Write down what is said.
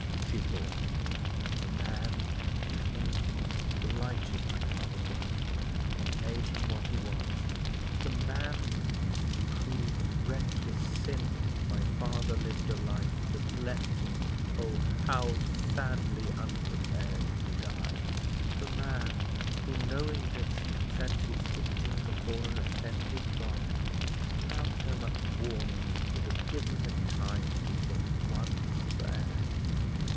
she thought; "the man whose influence blighted my father's life, and made him what he was. The man through whose reckless sin my father lived a life that left him, oh! how sadly unprepared to die! The man who, knowing this, sent his victim before an offended God, without so much warning as would have given him time to think one prayer.